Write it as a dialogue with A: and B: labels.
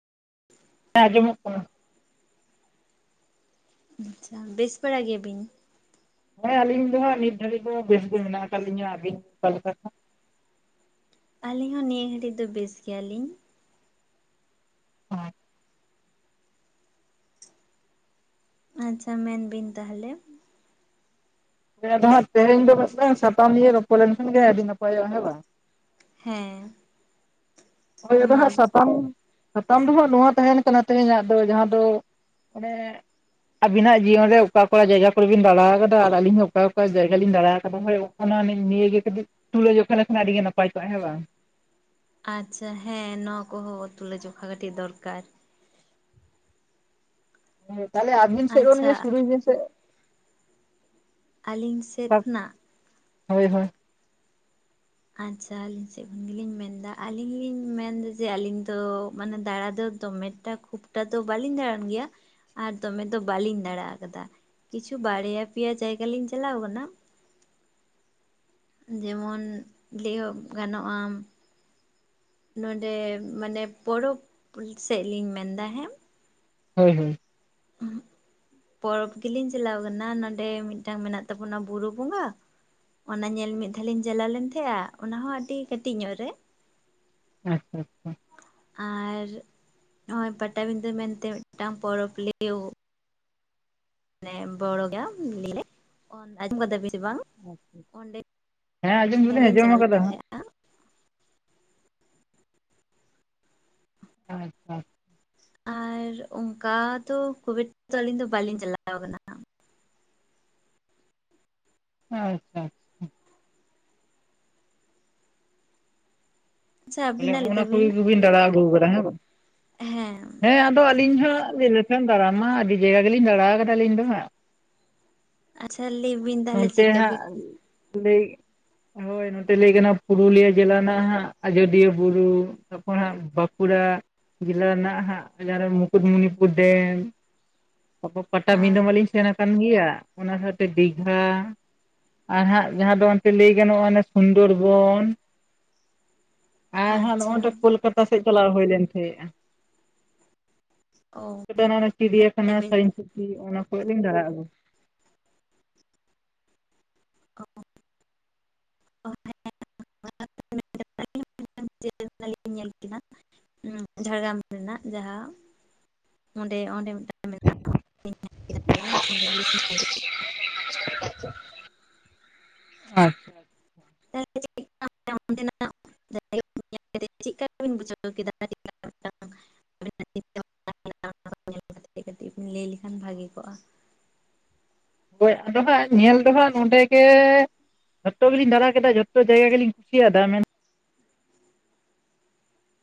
A: [inaudible]
B: ᱟᱸᱡᱚᱢᱚᱜ ᱠᱟᱱᱟ᱾
A: ᱟᱪᱪᱷᱟ ᱵᱮᱥ ᱵᱟᱲᱟ ᱜᱮᱭᱟᱵᱤᱱ?
B: ᱦᱮᱸ ᱟᱹᱞᱤᱧ ᱫᱚ ᱦᱟᱸᱜ ᱱᱤᱛ ᱫᱷᱟᱹᱵᱤᱡ ᱫᱚ ᱵᱮᱥᱜ ᱜᱮ ᱢᱮᱱᱟᱜ ᱟᱠᱟᱫ ᱞᱤᱧᱟᱹ, ᱟᱹᱵᱤᱱ ᱚᱠᱟ ᱞᱮᱠᱟ?
A: ᱟᱹᱞᱤᱧ ᱦᱚᱸ ᱱᱤᱭᱟᱹ ᱜᱷᱟᱹᱲᱤᱡ ᱫᱚ ᱵᱮᱥ ᱜᱮᱭᱟᱞᱤᱧ᱾
B: [unintelligible]
A: ᱟᱪᱪᱷᱟ ᱢᱮᱱ ᱵᱤᱱ ᱛᱟᱦᱚᱞᱮ᱾
B: ᱦᱮᱸᱫᱚᱦᱜ ᱛᱮᱦᱮᱧ ᱫᱚ ᱢᱤᱫᱴᱟᱝ ᱥᱟᱛᱟᱢ ᱱᱤᱭᱮ ᱨᱚᱯᱚᱲ ᱞᱮᱱᱠᱷᱟᱱ ᱜᱮ ᱟᱹᱰᱤ ᱱᱟᱯᱟᱭᱚᱜᱼᱟ ᱦᱮᱸ ᱵᱟᱝ᱾
A: ᱦᱮᱸ᱾
B: ᱳᱭ ᱟᱫᱚ
A: ᱢᱟ
B: ᱦᱟᱸ ᱥᱟᱛᱟᱢ ᱥᱟᱛᱟᱢ ᱫᱚᱦᱟᱜ ᱱᱚᱣᱟ ᱛᱟᱦᱮᱱ ᱠᱟᱱᱟ ᱛᱮᱦᱮᱧᱟᱜ ᱫᱚ ᱡᱟᱦᱟᱸ ᱫᱚ ᱚᱱᱮ ᱟᱵᱤᱱᱟᱜ ᱡᱤᱭᱚᱱ ᱨᱮ ᱚᱠᱟ ᱚᱠᱟ ᱡᱟᱭᱜᱟ ᱠᱚᱨᱮᱵᱤᱱ ᱫᱟᱬᱟ ᱟᱠᱟᱫᱟ ᱟᱨ ᱟᱹᱞᱤᱧ ᱦᱚᱸ ᱚᱠᱟ ᱚᱠᱟ ᱡᱟᱭᱜᱟ ᱞᱤᱧ ᱫᱟᱬᱟ ᱟᱠᱟᱫᱟ ᱚᱱᱟ ᱱᱤᱭᱟᱹᱜᱮ ᱠᱟᱹᱴᱤᱡ ᱛᱩᱞᱟᱹ ᱡᱚᱠᱷᱷᱟ ᱞᱮᱠᱷᱟᱱ ᱟᱹᱰᱤ ᱱᱟᱯᱟᱭ ᱠᱚᱜᱼᱟ ᱦᱮᱸ ᱵᱟᱝ ᱾
A: ᱟᱪᱪᱷᱟ ᱦᱮᱸ ᱱᱚᱣᱟ ᱠᱚᱦᱚᱸ ᱛᱩᱞᱟᱹᱡᱚᱠᱷᱟ ᱠᱟᱹᱴᱤᱡ ᱫᱚᱨᱠᱟᱨ᱾
B: ᱮᱸ ᱛᱟᱞᱦᱮ ᱟᱵᱤᱱ ᱥᱮᱚᱜ
A: ᱟᱪᱪᱷᱟ
B: ᱠᱷᱚᱱᱜᱮ ᱥᱩᱨᱩᱭ ᱵᱤᱱ ᱥᱮ᱾
A: ᱟᱹᱞᱤᱧ ᱥᱮᱫ ᱠᱷᱚᱱᱟᱜ᱾
B: ᱦᱳᱭ ᱦᱳᱭ᱾
A: ᱟᱪᱪᱷᱟ ᱟᱹᱞᱤᱧ ᱥᱮᱫ ᱠᱷᱚᱱ ᱜᱮᱞᱤᱧ ᱢᱮᱱ ᱮᱫᱟ ᱟᱹᱞᱤᱧ ᱞᱤᱧ ᱢᱮᱱᱫᱟ ᱡᱮ ᱟᱹᱞᱤᱧ ᱫᱚ ᱢᱟᱱᱮ ᱫᱟᱬᱟ ᱫᱚ ᱫᱚᱢᱮ ᱠᱷᱩᱵᱴᱟ ᱫᱚ ᱵᱟᱞᱤᱧ ᱫᱟᱬᱟᱱ ᱜᱮᱭᱟ᱾ ᱟᱨ ᱫᱚᱢᱮ ᱫᱚ ᱵᱟᱹᱞᱤᱧ ᱫᱟᱬᱟ ᱠᱟᱫᱟ ᱠᱤᱪᱷᱩ ᱵᱟᱨᱭᱟ ᱯᱮᱭᱟ ᱡᱟᱭᱜᱟ ᱞᱤᱧ ᱪᱟᱞᱟᱣ ᱠᱟᱱᱟ᱾ ᱡᱮᱢᱚᱱ ᱞᱟᱹᱭ ᱜᱟᱱᱚᱜᱼᱟ ᱱᱚᱸᱰᱮ ᱢᱟᱱᱮ ᱯᱚᱨᱚᱵᱽ ᱥᱮᱫ ᱞᱤᱧ ᱢᱮᱱᱫᱟ ᱦᱮᱸ᱾
B: ᱦᱳᱭ ᱦᱳᱭ᱾
A: ᱯᱚᱨᱚᱵᱽ ᱜᱮᱞᱤᱧ ᱪᱟᱞᱟᱣ ᱠᱟᱱᱟ ᱱᱟᱰᱮ ᱢᱤᱫᱴᱟᱝ ᱢᱮᱱᱟᱜ ᱛᱟᱵᱚᱱᱟ ᱵᱩᱨᱩ ᱵᱚᱸᱜᱟ᱾ ᱚᱱᱟ ᱧᱮᱞ ᱢᱤᱫ ᱫᱷᱟᱣ ᱞᱤᱧ ᱪᱟᱞᱟᱣ ᱞᱮᱱ ᱛᱟᱦᱮᱸᱜᱼᱟ ᱚᱱᱟ ᱦᱚᱸ ᱟᱹᱰᱤ ᱠᱟᱹᱴᱤᱡ ᱧᱚᱜ ᱨᱮ ᱾
B: ᱟᱪᱪᱷᱟ ᱟᱪᱪᱷᱟ᱾
A: ᱟᱨ ᱱᱚᱜᱼᱚᱭ ᱯᱟᱴᱟᱵᱤᱸᱫᱟᱹ ᱢᱮᱱᱛᱮ ᱢᱤᱫᱴᱟᱝ ᱯᱚᱨᱚᱵᱽ ᱞᱮᱭᱟᱹᱜ᱾ ᱢᱟᱱᱮ ᱵᱚᱲᱚ ᱜᱮ [unintelligible] ᱟᱸᱡᱚᱢ ᱠᱟᱫᱟ ᱵᱤᱱ ᱥᱮ ᱵᱟᱝ? ᱚᱸᱰᱮ
B: ᱦᱮᱸ ᱟᱸᱡᱚᱢ ᱫᱚᱞᱤᱧ
A: ᱢᱤᱫᱷᱟᱞᱤᱧ
B: ᱟᱸᱡᱚᱢ
A: ᱪᱟᱞᱟᱣ
B: ᱟᱠᱟᱫᱟ
A: ᱞᱮᱱ ᱛᱟᱦᱮᱸᱜ᱾
B: ᱟᱪᱪᱷᱟ᱾
A: ᱟᱨ ᱚᱱᱠᱟ ᱫᱚ ᱠᱷᱩᱵ ᱮᱠᱴᱟ ᱫᱚ ᱟᱹᱞᱤᱧ ᱫᱚ ᱵᱟᱹᱞᱤᱧ ᱪᱟᱞᱟᱣ ᱠᱟᱱᱟ ᱾
B: ᱟᱪᱪᱷᱟ᱾
A: ᱟᱪᱪᱷᱟ ᱟᱹᱵᱤᱱᱟᱜ ᱞᱟᱹᱭ
B: ᱚᱱᱟ
A: ᱛᱟᱵᱤᱱ
B: ᱠᱚᱜᱮᱵᱤᱱ ᱫᱟᱬᱟ ᱟᱹᱜᱩ ᱠᱟᱫᱟ ᱦᱮᱸ ᱵᱟᱝ ᱦᱮᱸ ᱟᱫᱚ ᱟᱹᱞᱤᱧ ᱦᱚᱸ [unintelligible] ᱫᱟᱬᱟ ᱢᱟ ᱟᱹᱰᱤ ᱡᱟᱭᱜᱟ ᱜᱮᱞᱤᱧ ᱫᱟᱬᱟ ᱠᱟᱫᱟ ᱟᱞᱤᱧ ᱫᱚ ᱦᱟᱸᱜ ᱾
A: ᱟᱪᱪᱷᱟ ᱞᱟᱹᱭ ᱵᱤᱱ ᱛᱟᱦᱚᱞᱮ
B: ᱱᱚᱱᱛᱮ
A: ᱪᱮᱫᱠᱟ ᱵᱤᱱ
B: ᱦᱟᱸᱜ ᱞᱟᱹᱭ ᱦᱳᱭ ᱱᱚᱛᱮ ᱞᱟᱹᱭ ᱜᱟᱱᱚᱜᱼᱟ ᱯᱩᱨᱩᱞᱤᱭᱟᱹ ᱡᱮᱞᱟ ᱨᱮᱱᱟᱜ ᱦᱟᱸᱜ ᱟᱡᱚᱫᱤᱭᱟᱹ ᱵᱩᱨᱩ ᱛᱟᱯᱚᱨ ᱦᱟᱸᱜ ᱵᱟᱸᱠᱩᱲᱟ ᱡᱮᱞᱟ ᱨᱮᱱᱟᱜ ᱦᱟᱸᱜ ᱡᱟᱦᱟᱸ ᱨᱮ ᱢᱩᱠᱩᱴᱢᱩᱱᱤ ᱯᱩᱨ ᱰᱮᱢ᱾ ᱛᱟᱯᱚᱨ ᱯᱟᱴᱟᱵᱤᱸᱫᱟᱹ ᱢᱟᱞᱤᱧ ᱥᱮᱱ ᱠᱟᱱ ᱜᱮᱭᱟ ᱚᱱᱟ ᱥᱟᱶᱛᱮ ᱫᱤᱜᱷᱟ᱾ ᱟᱨ ᱦᱟᱸᱜ ᱡᱟᱦᱟᱸ ᱫᱚ ᱚᱱᱛᱮ ᱞᱟᱹᱭ ᱜᱟᱱᱚᱜᱼᱟ ᱥᱩᱱᱫᱚᱨᱵᱚᱱ᱾ ᱟᱨᱦᱚ
A: ᱟᱪᱪᱷᱟ
B: ᱱᱚᱜᱼᱚᱭ ᱠᱳᱞᱠᱟᱛᱟ ᱥᱮᱫ ᱪᱟᱞᱟᱣ ᱦᱩᱭ ᱞᱮᱱ ᱛᱟᱦᱮᱸᱜᱼᱟ ᱾
A: ᱚ
B: ᱠᱳᱞᱠᱟᱛᱟ ᱨᱮᱱᱟᱜ ᱪᱤᱲᱤᱭᱟᱠᱷᱟᱱᱟ,
A: ᱞᱤᱧ
B: ᱥᱟᱭᱮᱱ ᱥᱤᱴᱤ ᱚᱱᱟ ᱠᱚᱨᱮᱜ ᱞᱤᱧ ᱫᱟᱬᱟ ᱟᱹᱜᱩ᱾
A: [unintelligible] ᱠᱮᱫᱟ ᱡᱷᱟᱲᱜᱨᱟᱢ ᱨᱮᱱᱟᱜ ᱡᱟᱦᱟᱸ ᱚᱸᱰᱮ ᱚᱸᱰᱮ ᱢᱤᱫᱴᱟᱱ ᱢᱮᱱᱟᱜᱼᱟ [unintelligible] ᱠᱮᱫᱟᱞᱤᱧ ᱚᱸᱰᱮ ᱜᱮᱞᱤᱧ ᱧᱮᱞ ᱠᱮᱫ ᱠᱚᱣᱟ᱾
B: [unintelligible]
A: [unintelligible] [unintelligible] ᱪᱮᱫᱠᱟᱵᱤᱱ ᱵᱩᱡᱷᱟᱹᱣ ᱠᱮᱫᱟ [unintelligible] [inaudible] ᱠᱟᱛᱮ ᱠᱟᱹᱴᱤᱡ ᱵᱤᱱ ᱞᱟᱹᱭ ᱞᱮᱠᱷᱟᱱ ᱵᱷᱟᱹᱜᱮ ᱠᱚᱜᱼᱟ ᱾
B: ᱦᱳᱭ ᱟᱫᱚ ᱦᱟᱸᱜ ᱧᱮᱞ ᱫᱚ ᱦᱟᱸᱜ ᱱᱚᱸᱰᱮ ᱜᱮ ᱡᱷᱚᱛᱚ ᱜᱮᱞᱤᱧ ᱫᱟᱬᱟ ᱠᱮᱫᱟ ᱡᱷᱚᱛᱚ ᱡᱟᱭᱜᱟ ᱜᱮᱞᱤᱧ ᱠᱩᱥᱤᱭᱟᱫᱟ ᱢᱮᱱ